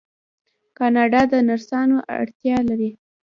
کاناډا د نرسانو اړتیا لري.